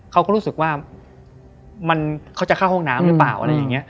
เขาก็รู้สึกว่าเขาจะเข้าห้องน้ำหรือเปล่าอะไรอย่างนี้